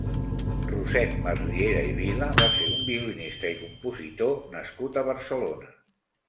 Rossend Masriera i Vila va ser un violinista i compositor nascut a Barcelona.